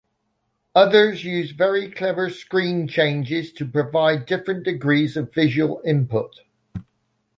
Others used very clever screen changes to provide different degrees of visual input.